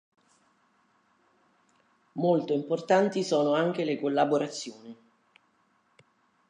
Molto importanti sono anche le collaborazioni.